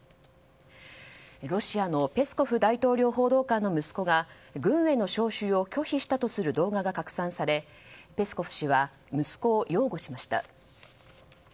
ロシアのペスコフ大統領報道官の息子が軍への召集を拒否したとする動画が拡散されペスコフ氏は息子を擁護しました。